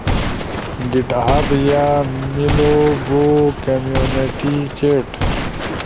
گٹ ہب یا میلو بو کمینونیٹی چیٹ۔